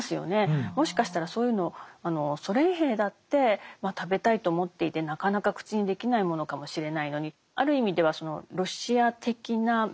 もしかしたらそういうのをソ連兵だって食べたいと思っていてなかなか口にできないものかもしれないのに。